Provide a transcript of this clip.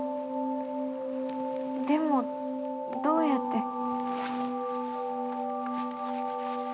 でもどうやって？